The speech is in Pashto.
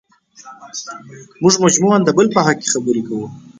موږ مجموعاً د بل په حق کې خبرې کوو.